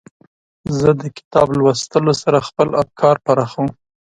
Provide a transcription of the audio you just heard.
زه د کتاب لوستلو سره خپل افکار پراخوم.